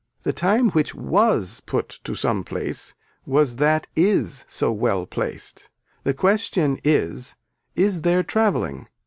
The time which was put to some place was that is so well placed. The question is is there travelling.